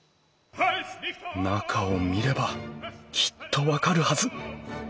中を見ればきっと分かるはず。